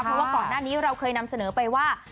เพราะว่าก่อนหน้านี้เราเคยนำเสนอไปว่า